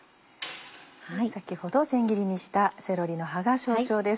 先ほど千切りにしたセロリの葉が少々です。